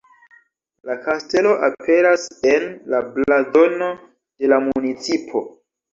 La kastelo aperas en la blazono de la municipo.